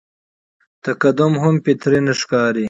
تقدم هم فطري نه ښکاري.